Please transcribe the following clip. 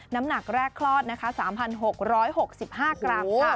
น้ำหนักแรกคลอด๓๖๖๕กรัมค่ะ